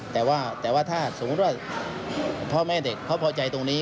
แต่ว่าถ้าสมมุติว่าพ่อแม่เด็กเขาพอใจตรงนี้